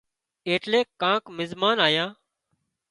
ايٽليڪ ڪانڪ مزمان آيان